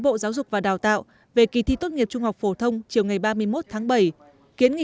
bộ giáo dục và đào tạo về kỳ thi tốt nghiệp trung học phổ thông chiều ngày ba mươi một tháng bảy kiến nghị